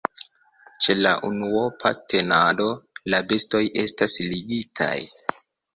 Ĉe la unuopa tenado la bestoj estas ligitaj.